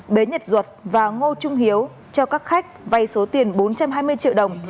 bến nhật duột và ngô trung hiếu cho các khách vay số tiền bốn trăm hai mươi triệu đồng